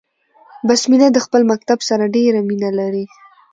بسمينه د خپل مکتب سره ډيره مينه لري 🏫